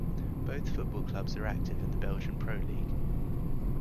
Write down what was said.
Both football clubs are active in the Belgian Pro League.